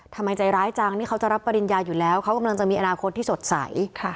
ทำไมใจร้ายจังนี่เขาจะรับปริญญาอยู่แล้วเขากำลังจะมีอนาคตที่สดใส